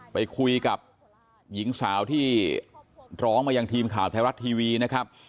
ไปคุยกับหญิงสาวที่ร้องมายังทีมข่าวไทยรัฐทีวีนะครับ